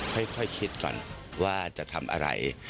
ค่อยคิดก่อนว่าจะทำอะไร